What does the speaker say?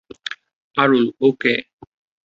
আরুল, ও কে?